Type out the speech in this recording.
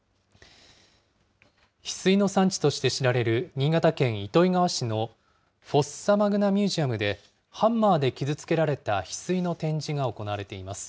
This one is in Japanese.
ヒスイの産地として知られる新潟県糸魚川市のフォッサマグナミュージアムで、ハンマーで傷つけられたヒスイの展示が行われています。